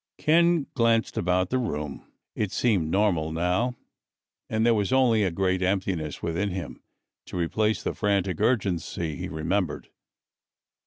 Ken glanced about the room. It seemed normal now and there was only a great emptiness within him to replace the frantic urgency he remembered.